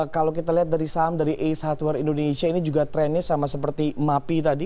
kalau kita lihat dari saham dari ace hardware indonesia ini juga trennya sama seperti mapi tadi